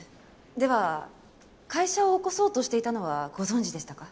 では会社を起こそうとしていたのはご存じでしたか？